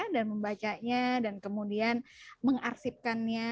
dan membacanya dan kemudian mengarsipkannya